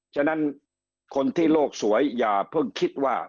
ฉะนั้นคนที่โลกสวยอย่าเพิ่งคิดว่า